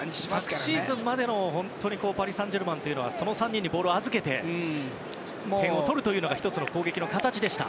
昨シーズンまでのパリ・サンジェルマンはその３人にボールを預けて点を取るというのが１つの攻撃の形でした。